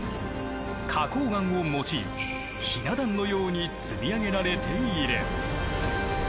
花こう岩を用いひな壇のように積み上げられている。